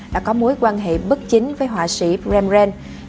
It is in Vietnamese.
đã có mối quan hệ bất chính với họa sĩ bremren